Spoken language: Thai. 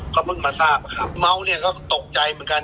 เขาเพิ่งมาทราบครับเมาเนี่ยก็ตกใจเหมือนกัน